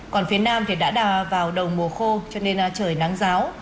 còn phía nam thì đã đà vào đầu mùa khô cho nên trời nắng giáo